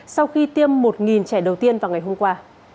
sau khi tiêm một trẻ đầu tiên vào ngày hôm qua